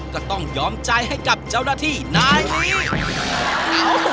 ก็ต้องยอมใจให้กับเจ้าหน้าที่นายนี้